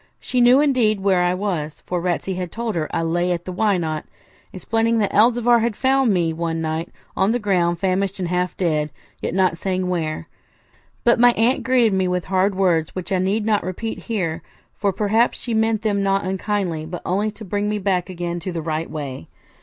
She knew, indeed, where I was, for Ratsey had told her I lay at the Why Not?, explaining that Elzevir had found me one night on the ground famished and half dead, yet not saying where. But my aunt greeted me with hard words, which I need not repeat here; for, perhaps, she meant them not unkindly, but only to bring me back again to the right way.